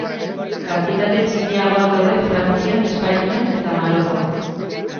Kantitate txikiagoak daude Frantzian, Espainian eta Marokon.